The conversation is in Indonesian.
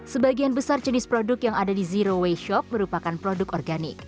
sebagian besar jenis produk yang ada di zero waste shop merupakan produk organik